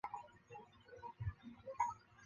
人类聚集居住的地方